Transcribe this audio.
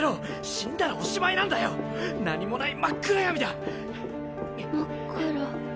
死んだらおしまいなんだよ何もない真っ暗闇だまっくら？